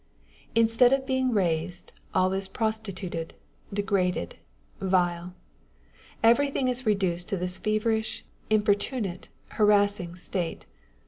Instead of being raised, all is prostituted, degraded, vile. Everything is reduced to this feverish, importunate, harassing state.